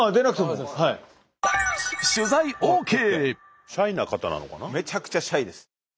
スタジオめちゃくちゃシャイです。